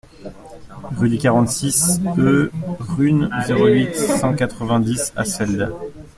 Rue du quarante-six e R.un., zéro huit, cent quatre-vingt-dix Asfeld